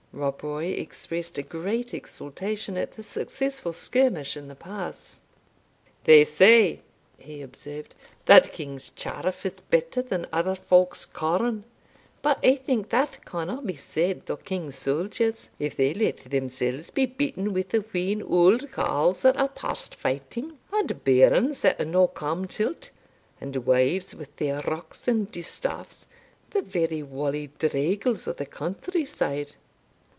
Rob Roy expressed great exultation at the successful skirmish in the pass. "They say," he observed, "that king's chaff is better than other folk's corn; but I think that canna be said o' king's soldiers, if they let themselves be beaten wi' a wheen auld carles that are past fighting, and bairns that are no come till't, and wives wi' their rocks and distaffs, the very wally draigles o' the countryside.